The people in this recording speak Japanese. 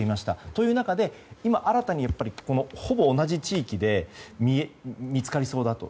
という中で、今新たにほぼ同じ地域で見つかりそうだと。